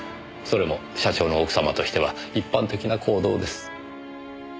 それも社長の奥様としては一般的な行動です。